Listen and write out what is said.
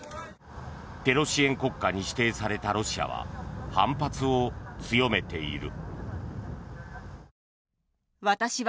テロ支援国家に指定されたロシアは反発を強めている。